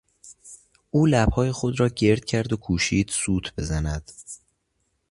او لبهای خود را گرد کرد و کوشید سوت بزند.